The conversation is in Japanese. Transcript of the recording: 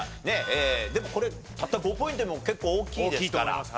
でもこれたった５ポイントでも結構大きいですから。